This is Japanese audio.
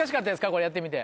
これやってみて。